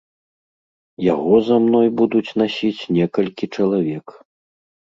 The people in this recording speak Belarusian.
Яго за мной будуць насіць некалькі чалавек.